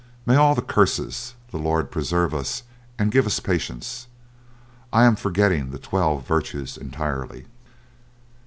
May all the curses the Lord preserve us and give us patience; I am forgetting the twelve virtues entirely."